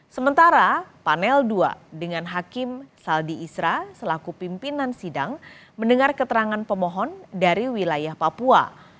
sementara panel ii dengan hakim saldi isra selaku pimpinan sidang mendengar keterangan pemohon dari wilayah papua